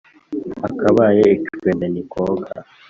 Akabaye icwenda ntikoga